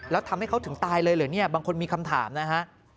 แล้วทำให้เขาถึงตายเลยเหรอเนี่ยบางคนมีคำถามนะฮะ